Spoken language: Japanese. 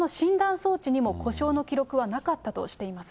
装置にも故障の記録はなかったとしています。